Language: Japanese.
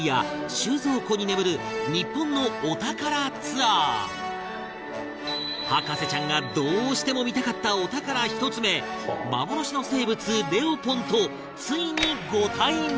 収蔵庫に眠る日本のお宝ツアー博士ちゃんがどうしても見たかったお宝１つ目幻の生物、レオポンとついに、ご対面！